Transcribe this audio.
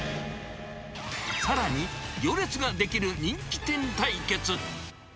さらに、行列が出来る人気店対決。